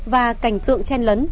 và cảnh tượng chen lấn